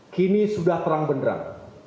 kini sudah terang beneran